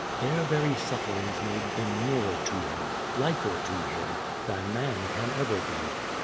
Their very sufferings made them nearer to Him, liker to Him, than man can ever be.